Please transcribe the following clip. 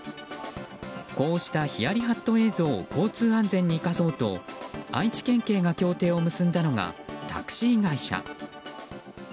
こうしたヒヤリ・ハット映像を交通安全に生かそうと愛知県警が協定を結んだのがタクシー会社。